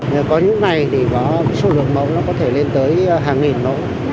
nếu có những này thì có số lượng mẫu nó có thể lên tới hàng nghìn